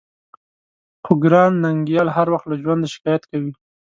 خو ګران ننګيال هر وخت له ژونده شکايت کوي.